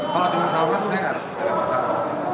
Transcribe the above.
kalau cuma soal salaman saya enggak ada masalah